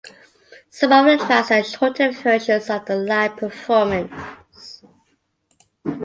Some of the tracks are shortened versions of the live performances.